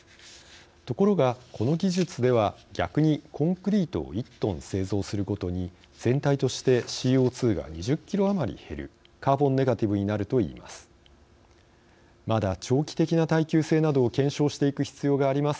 ところが、この技術では逆にコンクリートを１トン製造するごとに全体としてＣＯ２が２０キロ余り減るカーボンネガティブになるといいます。